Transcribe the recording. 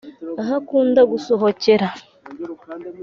aho akunda gusohokera